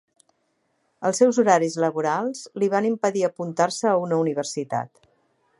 Els seus horaris laborals li van impedir apuntar-se a una universitat.